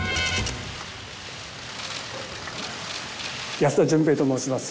安田純平と申します。